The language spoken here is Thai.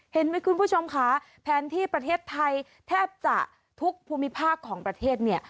เห็นไหมคุณผู้ชมค่ะแผนที่ประเทศไทยแทบจะทุกภูมิภาคของประเทศเนี่ย